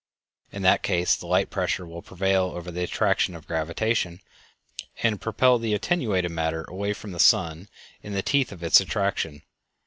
In that case the light pressure will prevail over the attraction of gravitation, and propel the attenuated matter away from the sun in the teeth of its attraction.